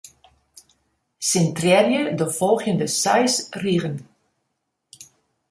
Sintrearje de folgjende seis rigen.